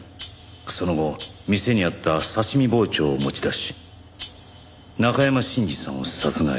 その後店にあった刺し身包丁を持ち出し中山信二さんを殺害。